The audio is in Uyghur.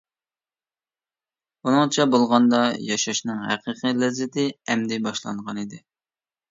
ئۇنىڭچە بولغاندا، ياشاشنىڭ ھەقىقىي لەززىتى ئەمدى باشلانغانىدى.